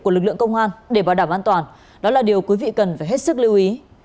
của lực lượng công an để bảo đảm an toàn đó là điều quý vị cần phải hết sức lưu ý